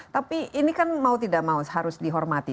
tapi ini kan mau tidak mau harus dihormati